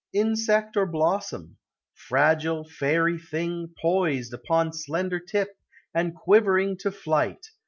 Insect or blossom? Fragile, fairy thing, Poised upon slender tip, and quivering To flight!